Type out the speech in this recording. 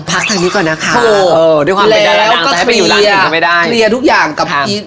ตลอดปักทางนี้ก่อนนะคะโธ่แล้วเขียนทุกอย่างดอร์กับพี่